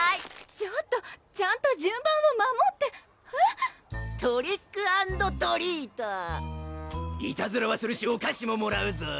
・ちょっとちゃんと順番を守ってえっ⁉トリック＆トリートいたずらはするしお菓子ももらうぞ！